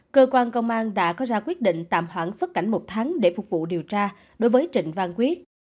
cơ quan công an đã có ra quyết định tạm hoãn xuất cảnh một tháng để phục vụ điều tra đối với trịnh văn quyết